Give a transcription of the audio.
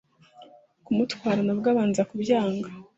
kumutwara nabwo abanza kubyanga